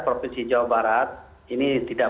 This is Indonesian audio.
provinsi jawa barat ini tidak